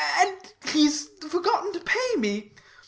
And he's forgotten to pay me.